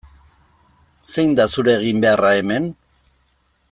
Zein da zure eginbeharra hemen?